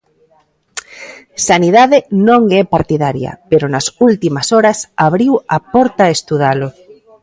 Sanidade non é partidaria, pero nas últimas horas abriu a porta a estudalo.